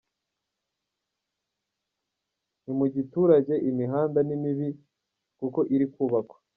Ni mu giturage, imihanda ni mibi kuko iri kubakwa.